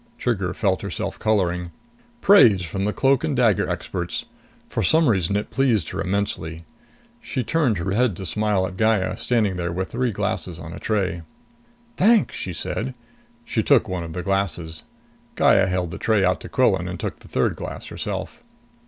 Trigger felt herself coloring. Praise from the cloak and dagger experts! For some reason it pleased her immensely. She turned her head to smile at Gaya, standing there with three glasses on a tray. "Thanks!" she said. She took one of the glasses. Gaya held the tray out to Quillan and took the third glass herself.